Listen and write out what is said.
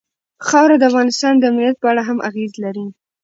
خاوره د افغانستان د امنیت په اړه هم اغېز لري.